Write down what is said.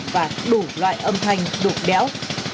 và đủ loại âm thanh đủ đéo